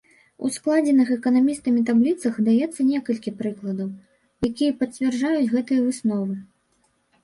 У складзеных эканамістамі табліцах даецца некалькі прыкладаў, якія пацвярджаюць гэтыя высновы.